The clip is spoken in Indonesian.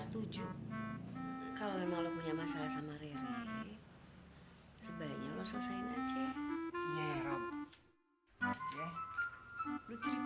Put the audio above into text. setuju kalau memang lo punya masalah sama rery sebaiknya lo selesain aje yairop aja scholarship